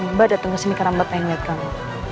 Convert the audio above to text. mbak datang kesini karena mbak pengen lihat kamu